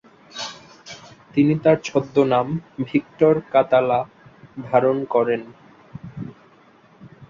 তিনি তার ছদ্মনাম ভিক্টর কাতালা ধারণ করেন।